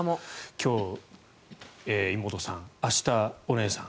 今日、妹さん明日、お姉さん。